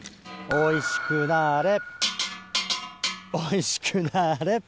おいしくなれ！